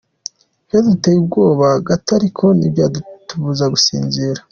Byaduteye ubwoba gato ariko ntibyatubuza gusinzira.